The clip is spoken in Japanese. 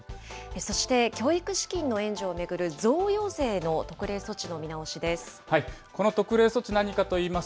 そして教育資金の援助を巡る贈与税の特例措置の見直しです。